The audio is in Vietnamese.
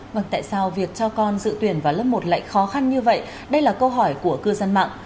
vâng tại sao việc cho con dự tuyển vào lớp một lại khó khăn như vậy đây là câu hỏi của cư dân mạng